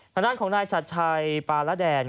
ธนาทของนายชัดชัยปลาระแดน